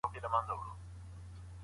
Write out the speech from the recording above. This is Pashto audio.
پوځیان د خپلو مشرانو اطاعت کوي.